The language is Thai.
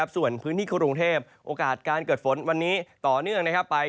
ส่วนพื้นที่กรุงเทพโอกาสการเกิดฝนวันนี้ต่อเนื่องไป